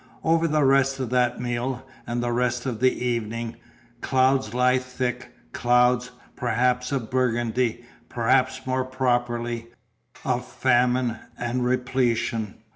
Over the rest of that meal, and the rest of the evening, clouds lie thick; clouds perhaps of Burgundy; perhaps, more properly, of famine and repletion.